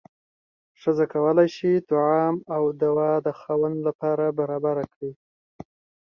ښځه کولی شي طعام او دوا د خاوند لپاره برابره کړي.